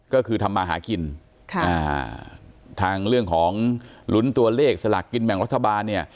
ก็คือทำมาหากินถามเรื่องของหลุนตัวเลขสลักกินแบ่งรถภาพ